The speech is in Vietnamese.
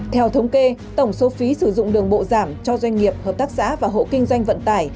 theo thống kê tổng số phí sử dụng đường bộ giảm cho doanh nghiệp hợp tác xã và hộ kinh doanh vận tải